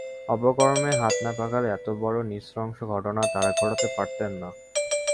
অপকর্মে হাত না পাকালে এত বড় নৃশংস ঘটনা তাঁরা ঘটাতে পারতেন না।